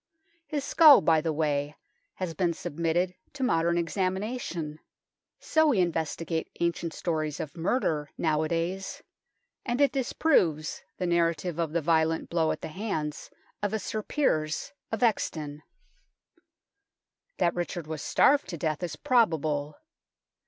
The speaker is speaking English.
His skull, by the way, has been submitted to modern examination (so we investigate ancient stories of murder nowa days), and it disproves the narrative of the violent blow at the hands of a Sir Piers of Exton. That Richard was starved to death is probable.